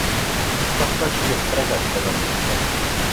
Stavba čtyř fregat byla zrušena.